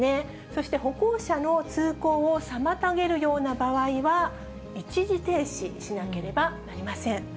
そして歩行者の通行を妨げるような場合は、一時停止しなければなりません。